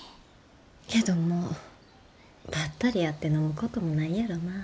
けどもうバッタリ会って飲むこともないやろな。